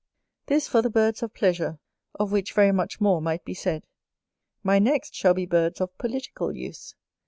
This for the birds of pleasure, of which very much more might be said. My next shall be of birds of political use.